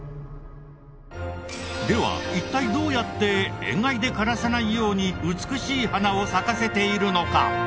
では一体どうやって塩害で枯らさないように美しい花を咲かせているのか？